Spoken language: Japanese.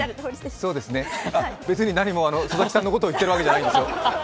そうですね、別に何も佐々木さんのことを言ってるわけじゃないんですよ。